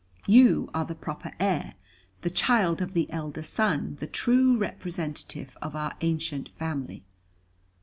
You are the proper heir, the child of the elder son, the true representative of our ancient family.